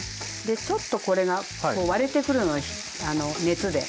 ちょっとこれが割れてくるの熱で。